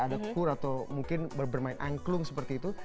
ada kur atau mungkin bermain angklung seperti itu